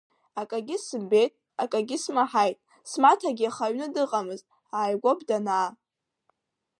Акагьы сымбеит, акагьы смаҳаит, смаҭагьы иаха аҩны дыҟамызт, ааигәоуп данаа.